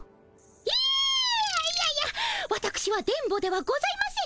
ええいやいやわたくしは電ボではございません。